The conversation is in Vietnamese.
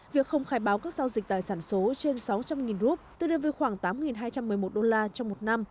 việc không khai báo các giao dịch tài sản số trên sáu trăm linh rup tương đương với khoảng tám hai trăm một mươi một đô la trong một năm